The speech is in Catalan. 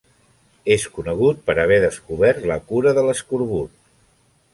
És conegut per haver descobert la cura de l'escorbut.